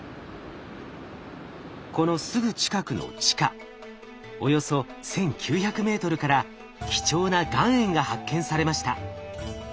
このすぐ近くの地下およそ１，９００ｍから貴重な岩塩が発見されました。